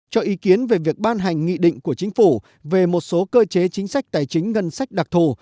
cho ý kiến về việc ban hành nghị định của chính phủ về một số cơ chế chính sách tài chính ngân sách đặc thù